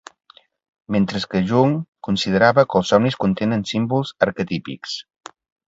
mentre que Jung considerava que els somnis contenen símbols arquetípics